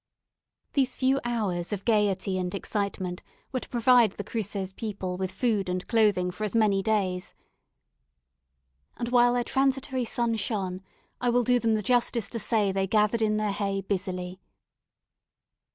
These few hours of gaiety and excitement were to provide the Cruces people with food and clothing for as many days; and while their transitory sun shone, I will do them the justice to say they gathered in their hay busily.